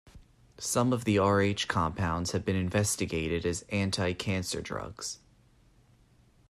Some Rh compounds have been investigated as anti-cancer drugs.